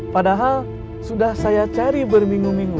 padahal sudah saya cari berminggu minggu